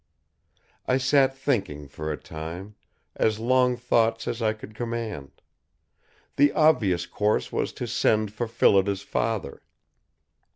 I sat thinking for a time; as long thoughts as I could command. The obvious course was to send for Phillida's father.